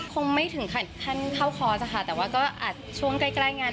คงไม่ถึงขั้นเข้าคอร์สค่ะแต่ว่าก็อาจช่วงใกล้ใกล้งาน